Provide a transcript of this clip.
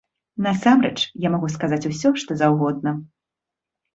Насамрэч, я магу сказаць усё, што заўгодна.